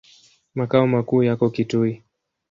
Makao makuu yako Kitui.